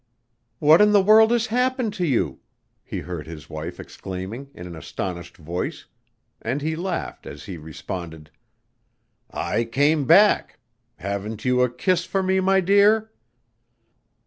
"What in the world has happened to you?" he heard his wife exclaiming in an astonished voice, and he laughed as he responded: "I came back. Haven't you a kiss for me, my dear?"